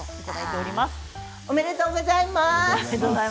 おめでとうございます。